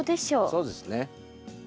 そうですね。